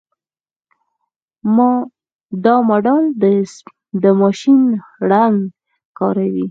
دا ماډل د ماشین لرنګ کاروي.